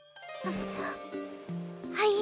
はい。